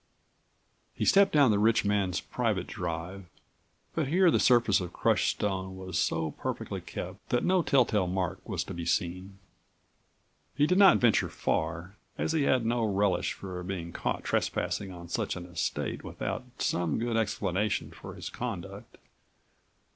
He stepped down the rich man's private drive, but here the surface of crushed stone was so perfectly kept that no telltale mark was to be seen. He did not venture far, as he had no relish for being caught trespassing on such an estate without some good explanation for his conduct.